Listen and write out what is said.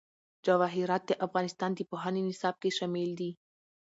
جواهرات د افغانستان د پوهنې نصاب کې شامل دي.